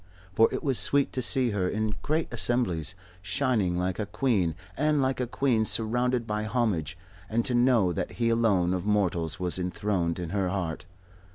For it was sweet to see her in great assemblies, shining like a queen and like a queen surrounded by homage, and to know that he alone of mortals was enthroned in her heart.